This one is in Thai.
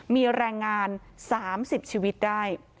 มีแรงงาน๓๐ชีวิตได้